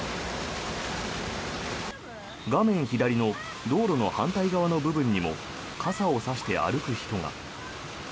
画面左の道路の反対側の部分にも傘を差して歩く人が。